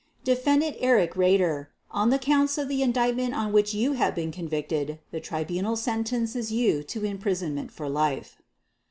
"Defendant Erich Raeder, on the Counts of the indictment on which you have been convicted, the Tribunal sentences you to imprisonment for life.